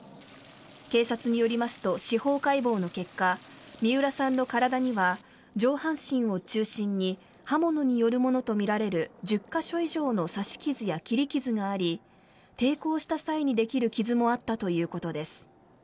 警察によりますと司法解剖の結果三浦さんの体には上半身を中心に刃物によるものとみられる１０か所以上の刺し傷や切り傷があり抵抗した際にできる傷もあったということです。